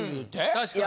確かに。